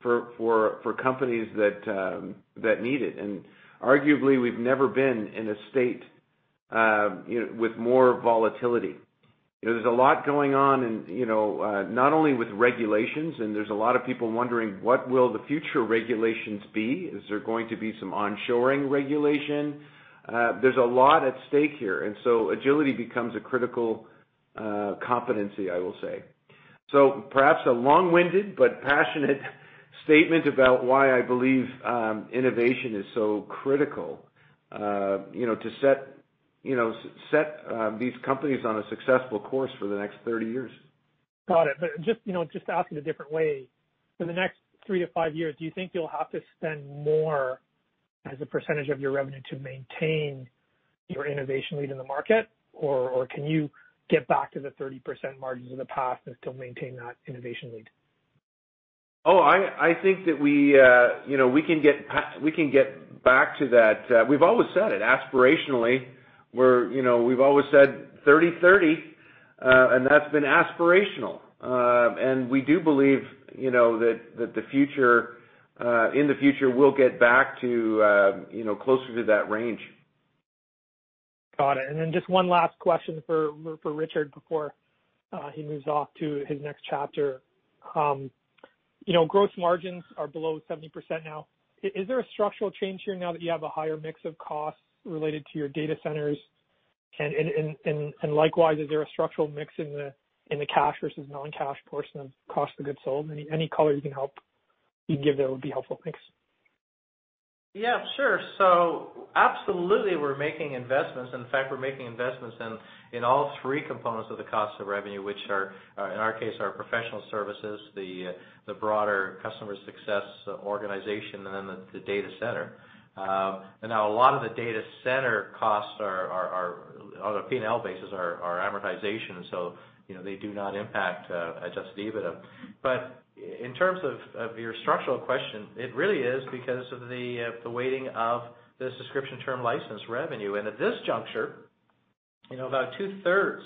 for companies that need it. Arguably, we've never been in a state with more volatility. There's a lot going on, not only with regulations, and there's a lot of people wondering what will the future regulations be. Is there going to be some onshoring regulation? There's a lot at stake here, and so agility becomes a critical competency, I will say. Perhaps a long-winded but passionate statement about why I believe innovation is so critical to set these companies on a successful course for the next 30 years. Got it. Just to ask it a different way, for the next three-five years, do you think you'll have to spend more as a percentage of your revenue to maintain your innovation lead in the market? Or can you get back to the 30% margins of the past and still maintain that innovation lead? I think that we can get back to that. We've always said it aspirationally. We've always said 30/30, and that's been aspirational. We do believe that in the future, we'll get back to closer to that range. Got it. Just one last question for Richard before he moves off to his next chapter. Gross margins are below 70% now. Is there a structural change here now that you have a higher mix of costs related to your data centers? Likewise, is there a structural mix in the cash versus non-cash portion of cost of goods sold? Any color you can help provide, that would be helpful. Thanks. Yeah, sure. Absolutely, we're making investments. In fact, we're making investments in all three components of the cost of revenue, which are, in our case, our professional services, the broader customer success organization, and then the data center. Now a lot of the data center costs on a P&L basis are amortization, so they do not impact adjusted EBITDA. In terms of your structural question, it really is because of the weighting of the subscription term license revenue. At this juncture, about 2/3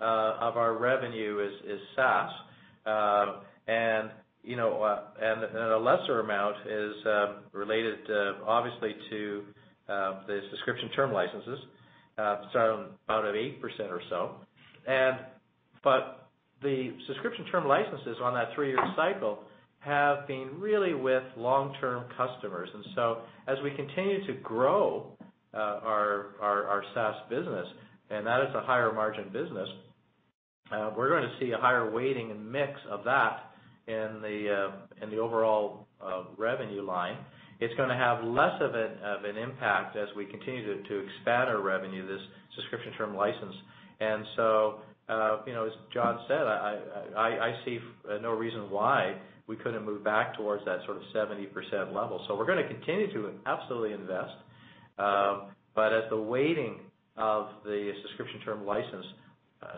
of our revenue is SaaS. A lesser amount is related, obviously, to the subscription term licenses, so about 8% or so. The subscription term licenses on that three-year cycle have been really with long-term customers. As we continue to grow our SaaS business, and that is a higher margin business, we're going to see a higher weighting and mix of that in the overall revenue line. It's going to have less of an impact as we continue to expand our revenue, this subscription term license. As John said, I see no reason why we couldn't move back towards that sort of 70% level. We're going to continue to absolutely invest. As the weighting of the subscription term license,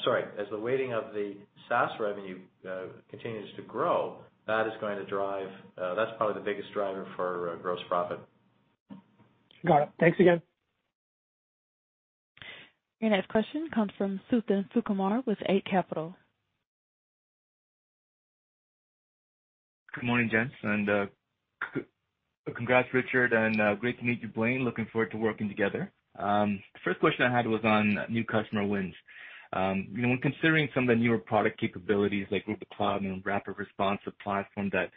sorry, as the weighting of the SaaS revenue continues to grow, that's probably the biggest driver for gross profit. Got it. Thanks again. Your next question comes from Suthan Sukumar with Eight Capital. Good morning, gents, and congrats, Richard, and great to meet you, Blaine. Looking forward to working together. First question I had was on new customer wins. When considering some of the newer product capabilities like Rubikloud and RapidResponse, a platform that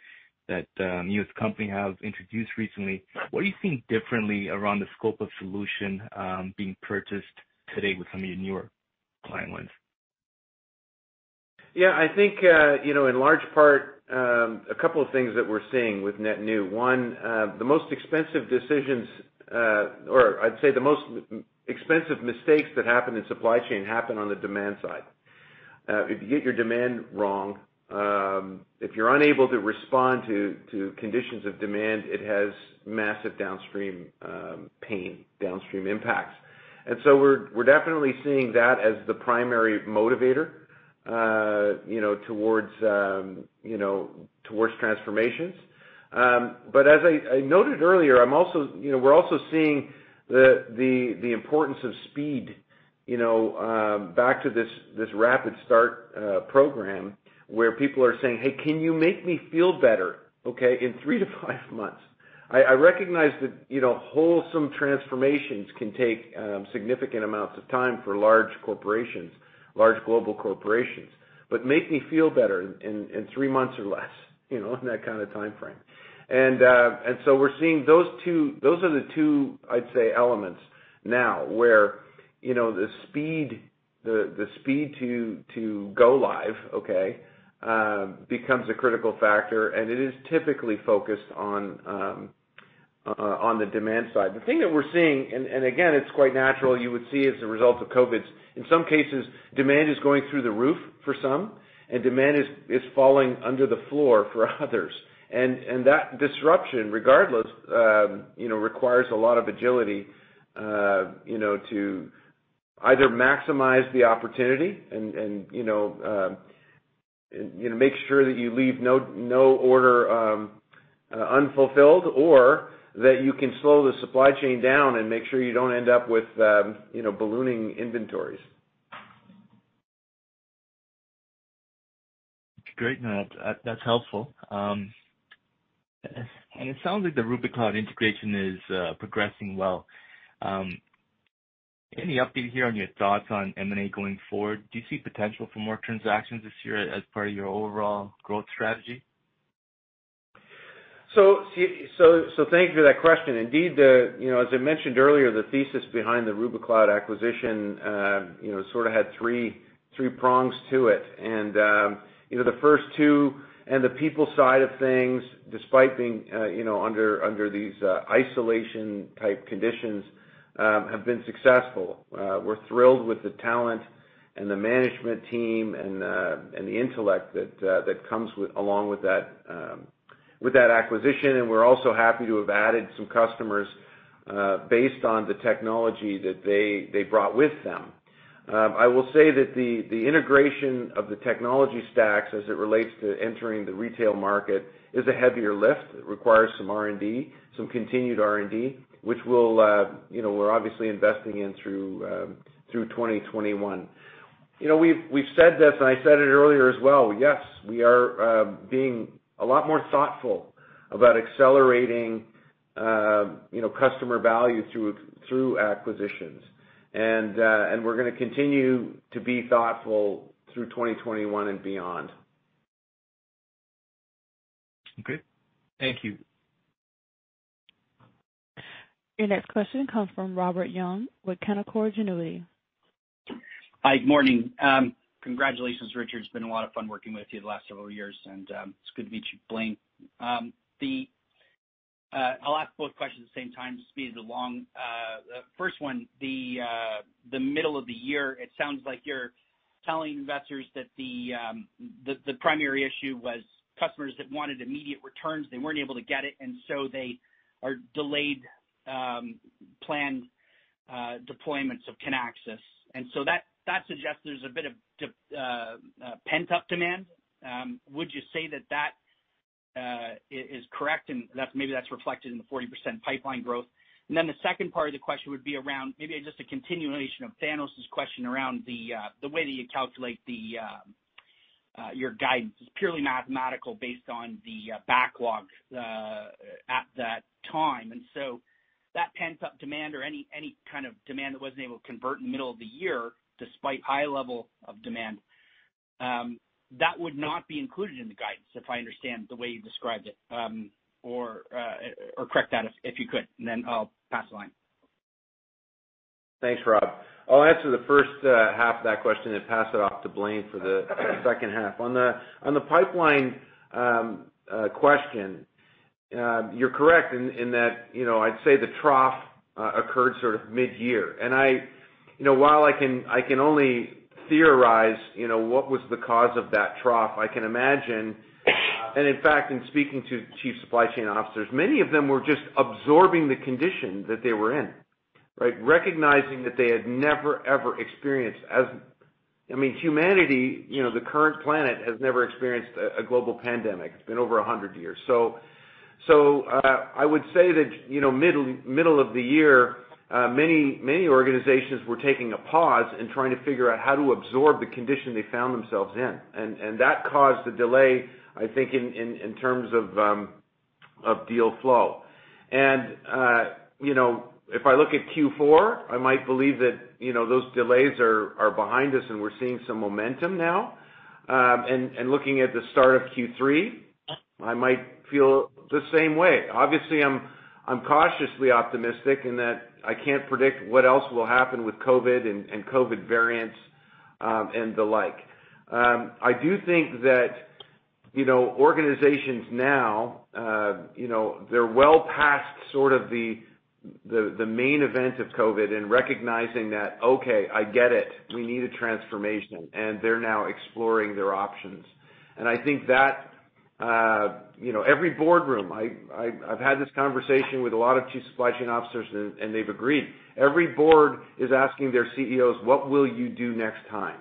you as a company have introduced recently, what are you seeing differently around the scope of solution being purchased today with some of your newer client wins? Yeah, I think, in large part, a couple of things that we're seeing with net new. One, the most expensive decisions, or I'd say the most expensive mistakes that happen in supply chain happen on the demand side. If you get your demand wrong, if you're unable to respond to conditions of demand, it has massive downstream pain, downstream impacts. We're definitely seeing that as the primary motivator towards transformations. As I noted earlier, we're also seeing the importance of speed, back to this RapidStart program, where people are saying, "Hey, can you make me feel better, okay, in three-five months?" I recognize that wholesome transformations can take significant amounts of time for large corporations, large global corporations. Make me feel better in three months or less, in that kind of timeframe. We're seeing those are the two, I'd say, elements now where the speed to go live, okay, becomes a critical factor, and it is typically focused on the demand side. The thing that we're seeing, and again, it's quite natural, you would see as a result of COVID, in some cases, demand is going through the roof for some, and demand is falling under the floor for others. That disruption, regardless, requires a lot of agility to either maximize the opportunity and make sure that you leave no order unfulfilled, or that you can slow the supply chain down and make sure you don't end up with ballooning inventories. Great. No, that's helpful. It sounds like the Rubikloud integration is progressing well. Any update here on your thoughts on M&A going forward? Do you see potential for more transactions this year as part of your overall growth strategy? Thank you for that question. Indeed, as I mentioned earlier, the thesis behind the Rubikloud acquisition sort of had three prongs to it. The first two and the people side of things, despite being under these isolation type conditions, have been successful. We're thrilled with the talent and the management team and the intellect that comes along with that acquisition. We're also happy to have added some customers based on the technology that they brought with them. I will say that the integration of the technology stacks as it relates to entering the retail market is a heavier lift. It requires some R&D, some continued R&D, which we're obviously investing in through 2021. We've said this, I said it earlier as well, yes, we are being a lot more thoughtful about accelerating customer value through acquisitions. We're going to continue to be thoughtful through 2021 and beyond. Okay. Thank you. Your next question comes from Robert Young with Canaccord Genuity. Hi, good morning. Congratulations, Richard. It's been a lot of fun working with you the last several years, and it's good to meet you, Blaine. I'll ask both questions at the same time to speed it along. First one, the middle of the year, it sounds like you're telling investors that the primary issue was customers that wanted immediate returns, they weren't able to get it. They are delayed planned deployments of Kinaxis. That suggests there's a bit of pent-up demand. Would you say that that is correct, and maybe that's reflected in the 40% pipeline growth? The second part of the question would be around, maybe just a continuation of Thanos' question around the way that you calculate your guidance is purely mathematical based on the backlogs at that time. That pent-up demand or any kind of demand that wasn't able to convert in the middle of the year, despite high level of demand, that would not be included in the guidance, if I understand the way you described it, or correct that, if you could? Then I'll pass the line. Thanks, Rob. I'll answer the first half of that question then pass it off to Blaine for the second half. On the pipeline question, you're correct in that I'd say the trough occurred sort of mid-year. While I can only theorize what was the cause of that trough, I can imagine, and in fact, in speaking to Chief Supply Chain Officers, many of them were just absorbing the condition that they were in, right? Recognizing that they had never experienced as humanity, the current planet, has never experienced a global pandemic. It's been over 100 years. I would say that middle of the year, many organizations were taking a pause and trying to figure out how to absorb the condition they found themselves in. That caused the delay, I think, in terms of deal flow. If I look at Q4, I might believe that those delays are behind us, and we're seeing some momentum now. Looking at the start of Q3, I might feel the same way. Obviously, I'm cautiously optimistic in that I can't predict what else will happen with COVID and COVID variants and the like. I do think that organizations now, they're well past sort of the main event of COVID and recognizing that, "Okay, I get it. We need a transformation," and they're now exploring their options. I think that every boardroom, I've had this conversation with a lot of chief supply chain officers, and they've agreed. Every board is asking their CEOs, "What will you do next time?"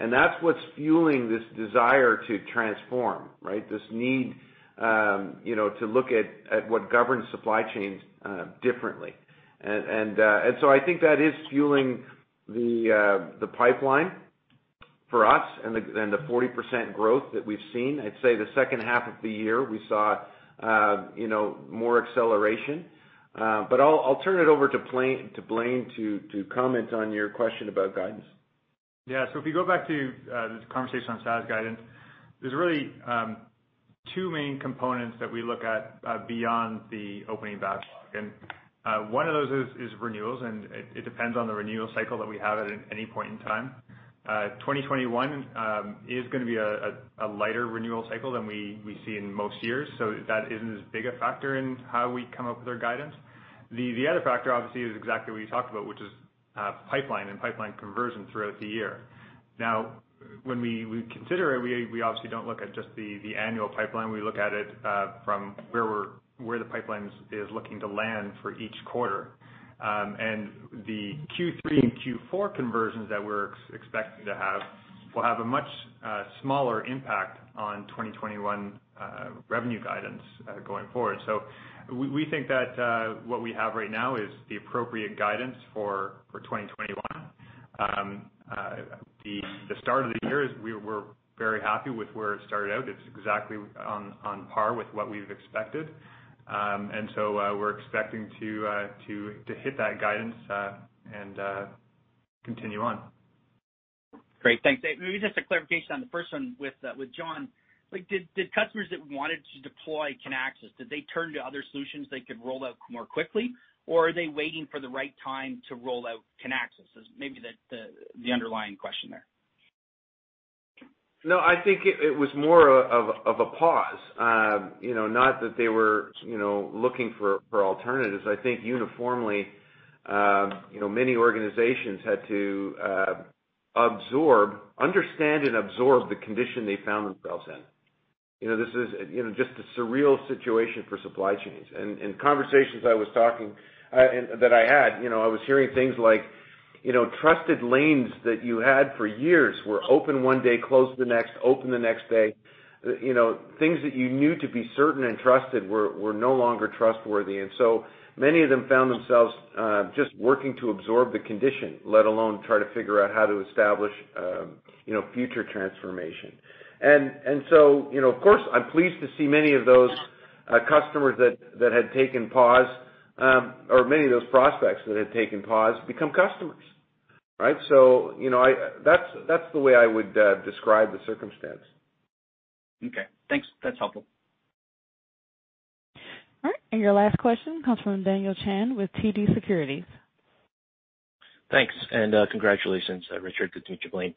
That's what's fueling this desire to transform, right? This need to look at what governs supply chains differently. I think that is fueling the pipeline for us and the 40% growth that we've seen. I'd say the second half of the year, we saw more acceleration. I'll turn it over to Blaine to comment on your question about guidance. Yeah. If you go back to the conversation on SaaS guidance, there's really two main components that we look at beyond the opening backlog. One of those is renewals, and it depends on the renewal cycle that we have at any point in time. 2021 is gonna be a lighter renewal cycle than we see in most years. That isn't as big a factor in how we come up with our guidance. The other factor, obviously, is exactly what you talked about, which is pipeline and pipeline conversion throughout the year. Now, when we consider it, we obviously don't look at just the annual pipeline. We look at it from where the pipeline is looking to land for each quarter. The Q3 and Q4 conversions that we're expecting to have will have a much smaller impact on 2021 revenue guidance going forward. We think that what we have right now is the appropriate guidance for 2021. The start of the year, we're very happy with where it started out. It's exactly on par with what we've expected. We're expecting to hit that guidance and continue on. Great. Thanks. Maybe just a clarification on the first one with John. Did customers that wanted to deploy Kinaxis, did they turn to other solutions they could roll out more quickly? Are they waiting for the right time to roll out Kinaxis? Is maybe the underlying question there. No, I think it was more of a pause. Not that they were looking for alternatives. I think uniformly, many organizations had to understand and absorb the condition they found themselves in. This is just a surreal situation for supply chains. In conversations that I had, I was hearing things like trusted lanes that you had for years were open one day, closed the next, open the next day. Things that you knew to be certain and trusted were no longer trustworthy. Many of them found themselves just working to absorb the condition, let alone try to figure out how to establish future transformation. Of course, I'm pleased to see many of those customers that had taken pause, or many of those prospects that had taken pause, become customers, right? That's the way I would describe the circumstance. Okay, thanks. That's helpful. All right, your last question comes from Daniel Chan with TD Securities. Thanks, congratulations, Richard. Good to meet you, Blaine.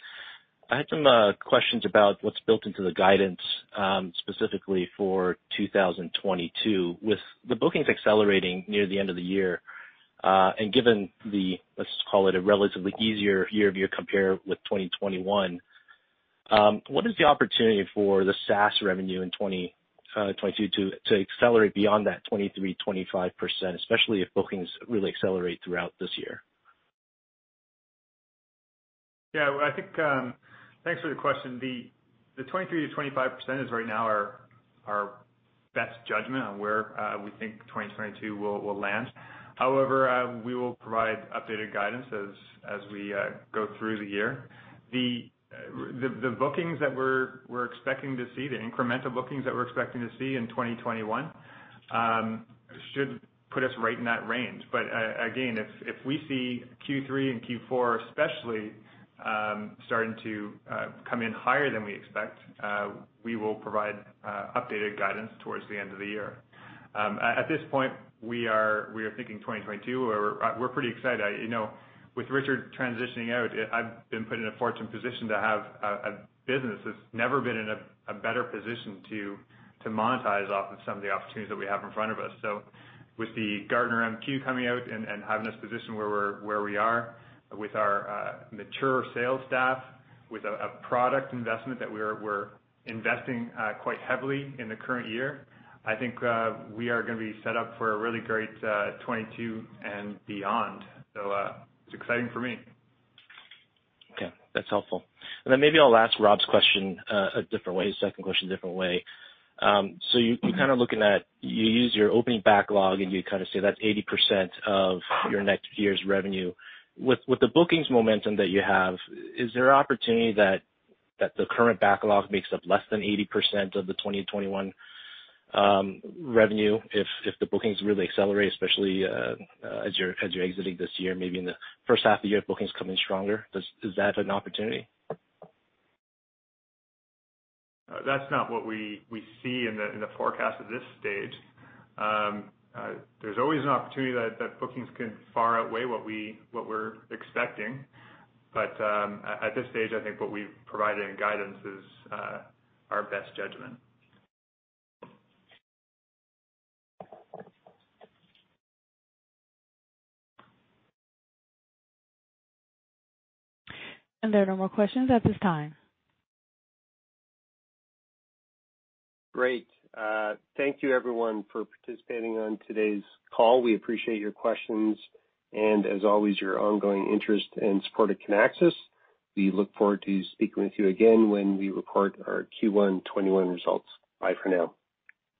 I had some questions about what's built into the guidance, specifically for 2022. With the bookings accelerating near the end of the year, and given the, let's call it, a relatively easier year view compare with 2021, what is the opportunity for the SaaS revenue in 2022 to accelerate beyond that 23%-25%, especially if bookings really accelerate throughout this year? Yeah, thanks for the question. The 23%-25% is right now our best judgment on where we think 2022 will land. However, we will provide updated guidance as we go through the year. The bookings that we're expecting to see, the incremental bookings that we're expecting to see in 2021, should put us right in that range. Again, if we see Q3 and Q4 especially, starting to come in higher than we expect, we will provide updated guidance towards the end of the year. At this point, we are thinking 2022, where we're pretty excited. With Richard transitioning out, I've been put in a fortunate position to have a business that's never been in a better position to monetize off of some of the opportunities that we have in front of us. With the Gartner MQ coming out and having us positioned where we are, with our mature sales staff, with a product investment that we're investing quite heavily in the current year, I think we are going to be set up for a really great 2022 and beyond. It's exciting for me. Okay, that's helpful. Then maybe I'll ask Rob's question a different way, second question a different way. You're kind of looking at, you use your opening backlog, and you kind of say that's 80% of your next year's revenue. With the bookings momentum that you have, is there an opportunity that the current backlog makes up less than 80% of the 2021 revenue if the bookings really accelerate, especially as you're exiting this year, maybe in the first half of the year, bookings come in stronger? Is that an opportunity? That's not what we see in the forecast at this stage. There's always an opportunity that bookings can far outweigh what we're expecting. At this stage, I think what we've provided in guidance is our best judgment. There are no more questions at this time. Great. Thank you everyone for participating on today's call. We appreciate your questions, and as always, your ongoing interest and support of Kinaxis. We look forward to speaking with you again when we report our Q1 2021 results. Bye for now.